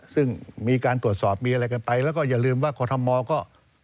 ซึ่งมีการตรวจสอบมีอะไรกันไปแล้วก็อย่าลืมว่ากรทมก็